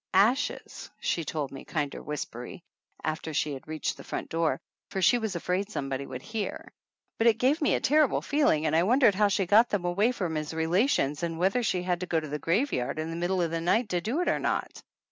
"Ashes;" she told me, kinder whispery, after she had reached the front door, for she was afraid somebody would hear ; but it gave me a terrible feeling and I wondered how she got them away from his relations and whether she had to go to the graveyard in the middle of the night to do it or not.